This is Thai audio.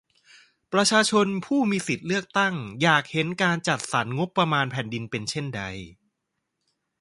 ประชาชนผู้มีสิทธิ์เลือกตั้งอยากเห็นการจัดสรรงบประมาณแผ่นดินเป็นเช่นใด ?